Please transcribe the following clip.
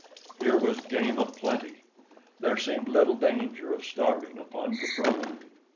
Here was game a plenty! There seemed little danger of starving upon Caprona.